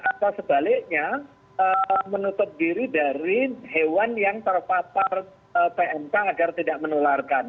atau sebaliknya menutup diri dari hewan yang terpapar pmk agar tidak menularkan